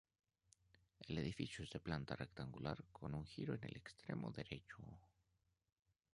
El edificio es de planta rectangular con un giro en el extremo derecho.